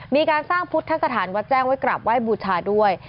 มีการสร้างพุทธสถานวัดแจ้งไว้กราบไหว้บูชาด้วย